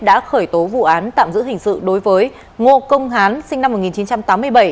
đã khởi tố vụ án tạm giữ hình sự đối với ngô công hán sinh năm một nghìn chín trăm tám mươi bảy